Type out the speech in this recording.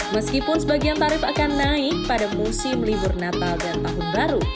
meskipun sebagian tarif akan naik pada musim libur natal dan tahun baru